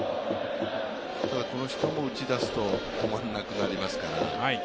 この人も打ち出すと止まらなくなりますから。